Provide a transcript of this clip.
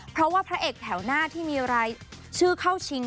เพราะว่าพระเอกแถวหน้าที่มีรายชื่อเข้าชิง